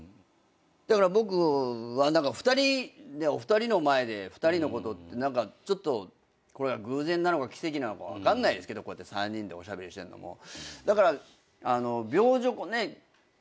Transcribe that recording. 僕はお二人の前で二人のことってこれは偶然なのか奇跡なのか分かんないですけどこうやって３人でおしゃべりしてんのも。